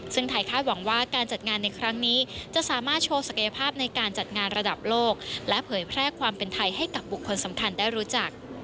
ซึ่งไทยคาดหวังว่าการจัดงานในครั้งนี้จะสามารถโชว์ศักยภาพในการจัดงานระดับโลกและเผยแพร่ความเป็นไทยให้กับบุคคลสำคัญได้รู้จัก